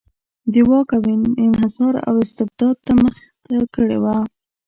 د واک انحصار او استبداد ته مخه کړې وه.